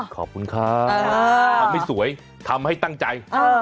ขอบคุณครับทำให้สวยทำให้ตั้งใจ